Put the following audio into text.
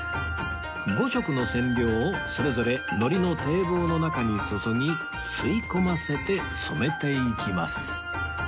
５色の染料をそれぞれ糊の堤防の中に注ぎ吸い込ませて染めていきます